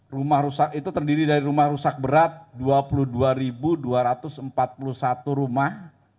rumah rusak itu terdiri dari rumah rusak berat dua puluh dua dua ratus empat puluh satu rumah